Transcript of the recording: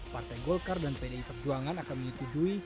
partai golkar dan pdi perjuangan akan menyetujui